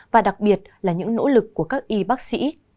và đặc biệt là những nỗ lực của các y bác sĩ